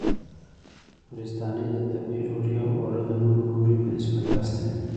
نورستانۍ د تبۍ ډوډۍ اوړه د نورو ډوډیو په نسبت پاسته وي.